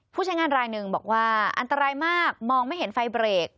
ใช้งานรายหนึ่งบอกว่าอันตรายมากมองไม่เห็นไฟเบรก